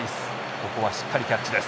ここはしっかりキャッチです。